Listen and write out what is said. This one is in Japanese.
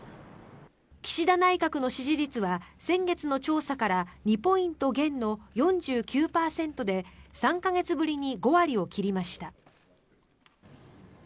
岸田内閣の支持率は先月の調査から２ポイント減の４９％で３か月ぶりに５割を切りました。